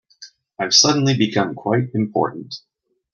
I've suddenly become quite important.